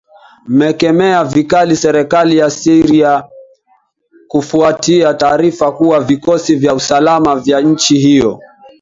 mmekemea vikali serikali ya syria kufuatia taarifa kuwa vikosi vya usalama vya nchi hiyo